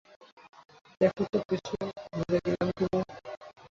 দেখো তো কিছু ভুলে গেলাম কি না।